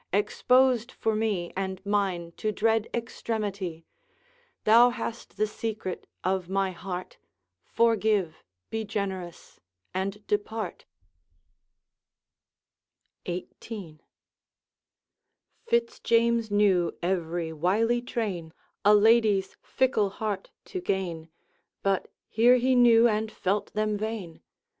exposed for me And mine to dread extremity Thou hast the secret of my bears; Forgive, be generous, and depart!' XVIII. Fitz James knew every wily train A lady's fickle heart to gain, But here he knew and felt them vain.